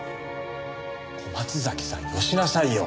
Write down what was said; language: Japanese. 小松崎さんよしなさいよ！